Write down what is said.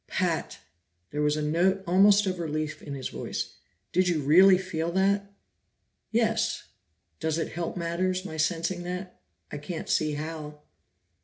"Pat!" There was a note almost of relief in his voice. "Did you really feel that?" "Yes. Does it help matters, my sensing that? I can't see how."